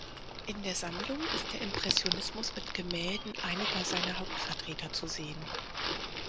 In der Sammlung ist der Impressionismus mit Gemälden einiger seiner Hauptvertreter zu sehen.